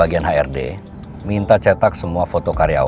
ayo ayo ayo kemau kemau kemau kemau